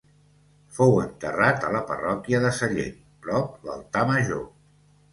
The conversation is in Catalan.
Fou enterrat a la parròquia de Sallent, prop l'altar major.